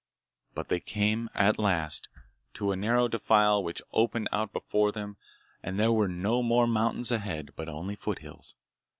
But they came, at last, to a narrow defile which opened out before them and there were no more mountains ahead, but only foothills.